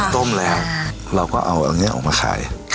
ต้มแล้วเราก็เอาอันนี้ออกมาขาย